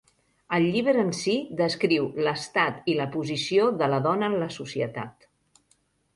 El llibre en si descriu l'estat i la posició de la dona en la societat.